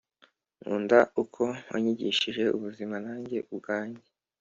nkunda uko wanyigishije ubuzima na njye ubwanjye